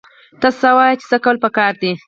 ته څه وايې چې څه کول پکار دي؟